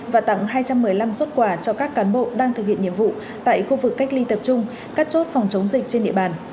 và tặng hai trăm một mươi năm xuất quà cho các cán bộ đang thực hiện nhiệm vụ tại khu vực cách ly tập trung các chốt phòng chống dịch trên địa bàn